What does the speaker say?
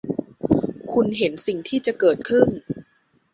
คุณเห็นสิ่งที่จะเกิดขึ้น